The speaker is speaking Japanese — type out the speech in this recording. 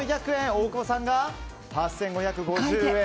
大久保さんが８５５０円。